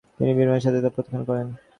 তিনি বিনয়ের সাথে তা প্রত্যাখান করেন ।